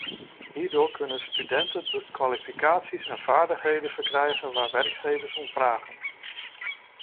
Hierdoor kunnen studenten de kwalificaties en vaardigheden verkrijgen waar werkgevers om vragen.